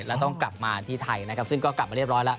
แล้วต้องกลับมาที่ไทยนะครับซึ่งก็กลับมาเรียบร้อยแล้ว